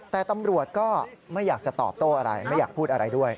แต่ตำรวจก็ไม่อยากจะตอบโต้อะไรไม่อยากพูดอะไรด้วย